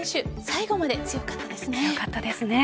最後まで強かったですね。